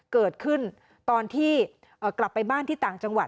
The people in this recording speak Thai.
เกิดขึ้นตอนที่กลับไปบ้านที่ต่างจังหวัด